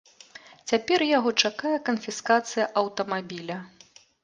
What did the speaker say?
Цяпер яго чакае канфіскацыя аўтамабіля.